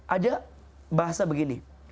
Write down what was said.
ada bahasa begini